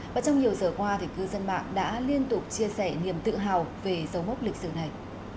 và trong nhiều giờ qua thì cư dân mạng đã liên tục chia sẻ niềm tự hào về dấu mốc lịch sử này